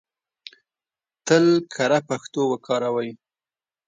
تل کره پښتو وکاروئ!